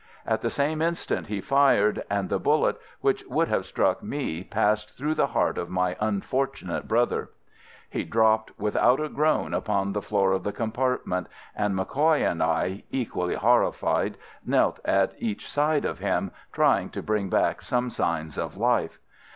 At the same instant he fired, and the bullet which would have struck me passed through the heart of my unfortunate brother. "He dropped without a groan upon the floor of the compartment, and MacCoy and I, equally horrified, knelt at each side of him, trying to bring back some signs of life.